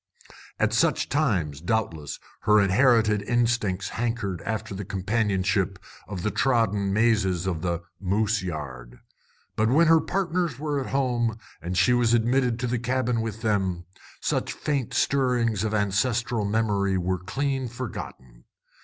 At such times, doubtless, her inherited instincts hankered after the companionship of the trodden mazes of the "moose yard." But when her partners were at home, and she was admitted to the cabin with them, such faint stirrings of ancestral memory were clean forgotten.